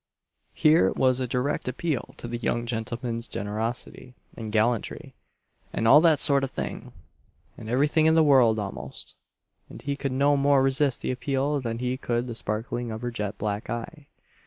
Here was a direct appeal to the young gentleman's generosity, and gallantry, and all that sort of thing, and everything in the world almost; and he could no more resist the appeal than he could the sparkling of her jet black eye.